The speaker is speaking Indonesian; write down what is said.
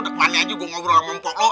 depannya aja gue ngobrol sama mpok lu